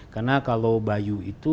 karena kalau bayu itu